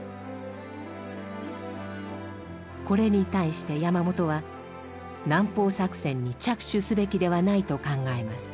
これに対して山本は南方作戦に着手すべきではないと考えます。